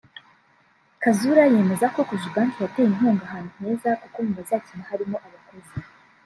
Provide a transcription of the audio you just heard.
Kazura yemeza ko Cogebanque yateye inkunga ahantu heza kuko mu bazakina harimo abakozi